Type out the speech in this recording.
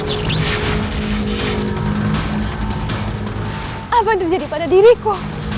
apa yang terjadi pada diriku